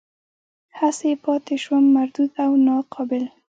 هسې پاتې شوم مردود او ناقابل.